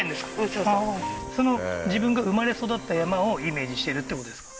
そうそう自分が生まれ育った山をイメージしてるってことですか？